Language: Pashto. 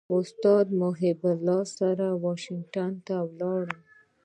استاد محب الله سره واشنګټن ته ولاړم.